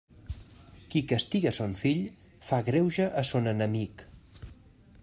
Qui castiga son fill, fa greuge a son enemic.